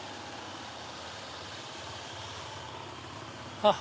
あっ。